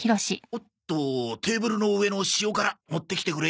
おっとテーブルの上の塩辛持って来てくれ。